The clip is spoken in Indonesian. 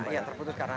iya terputus karena